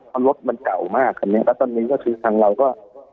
เพราะรถมันเก่ามากคันนี้แล้วตอนนี้ก็คือทางเราก็